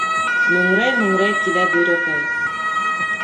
МӨҢРӘЙ-МӨҢРӘЙ КИЛӘ БӨЙРӘКӘЙ